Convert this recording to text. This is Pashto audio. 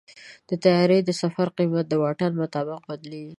د طیارې د سفر قیمت د واټن مطابق بدلېږي.